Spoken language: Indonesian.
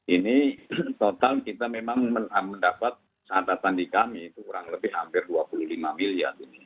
ini total kita memang mendapat catatan di kami itu kurang lebih hampir dua puluh lima miliar